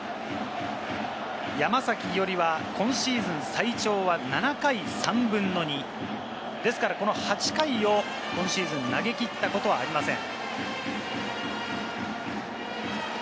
山崎伊織は今シーズン、最長は７回、３分の２。ですから、この８回を今シーズン投げきったことがありません。